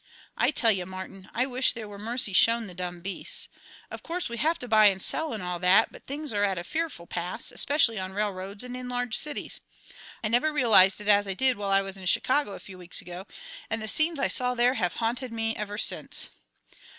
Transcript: "I tell you, Martin, I wish there were mercy shown the dumb beasts. Of course, we have to buy and sell and all that, but things are at a fearful pass, especially on railroads and in large cities. I never realized it as I did while I was in Chicago a few weeks ago, and the scenes I saw there have haunted me ever since.